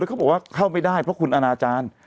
เขาบอกว่าเข้าไม่ได้เพราะคุณอนาจารย์